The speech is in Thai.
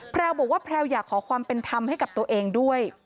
แพรวบอกว่าแพลวอยากขอความเป็นธรรมให้กับตัวเองด้วย